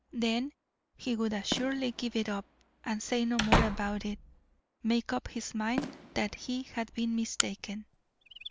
Then he would assuredly give it up, and say no more about it make up his mind that he had been mistaken.